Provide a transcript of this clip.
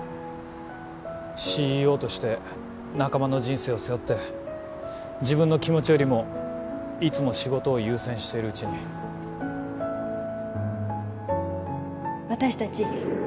ＣＥＯ として仲間の人生を背負って自分の気持ちよりもいつも仕事を優先しているうちに私達